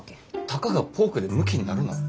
たかがポークでむきになるな。